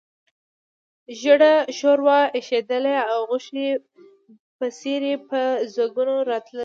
ژېړه ښوروا اېشېدله او غوښې بڅري په ځګونو راتلل.